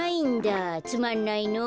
つまんないの。